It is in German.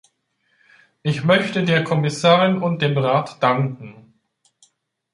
Ich möchte der Kommissarin und dem Rat danken.